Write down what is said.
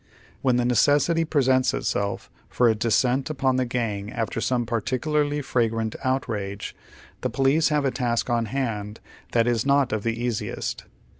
Wiien the necessity presents itself for a descent upon the gang after some particularly flagrant outrage, the police have a tasli on hand that is not of the easiest.